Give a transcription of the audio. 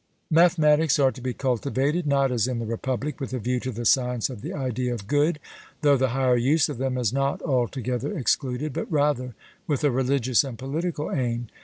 Mathematics are to be cultivated, not as in the Republic with a view to the science of the idea of good, though the higher use of them is not altogether excluded, but rather with a religious and political aim.